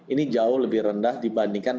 ini jauh lebih rendah dibandingkan